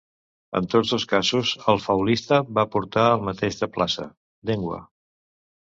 En tots dos casos el faulista va portar el mateix de plaça: llengua.